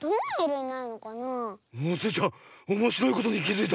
スイちゃんおもしろいことにきづいたね。